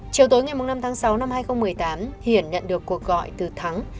chiều tối ngày năm tháng sáu năm hai nghìn một mươi tám hiển nhận được cuộc gọi từ thắng